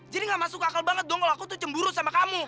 jadi gak masuk akal banget dong kalau aku tuh cemburu sama kamu